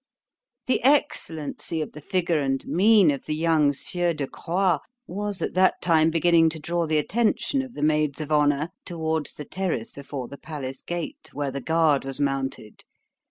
The excellency of the figure and mien of the young Sieur De Croix, was at that time beginning to draw the attention of the maids of honour towards the terrace before the palace gate, where the guard was mounted.